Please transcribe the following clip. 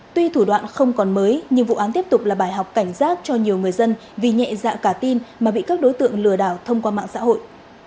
tuy thủ đoạn không còn mới nhưng vụ án tiếp tục là bài học cảnh giác cho nhiều người dân vì nhẹ dạ cả tin mà bị các đối tượng lừa đảo thông qua mạng xã hội